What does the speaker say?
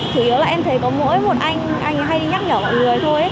thủ yếu là em thấy có mỗi một anh anh hay đi nhắc nhở mọi người thôi